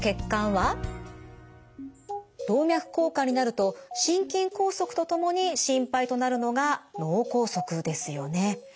動脈硬化になると心筋梗塞とともに心配となるのが脳梗塞ですよね。